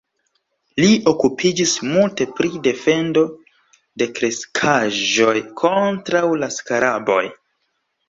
Li okupiĝis multe pri defendo de kreskaĵoj kontraŭ la skaraboj.